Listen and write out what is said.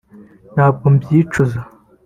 ntabwo mbyicuza